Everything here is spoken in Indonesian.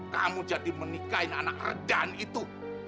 kamu jadi menikahi anak redan itu